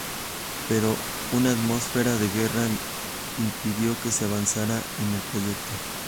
Pero una atmósfera de guerra impidió que se avanzara en el proyecto.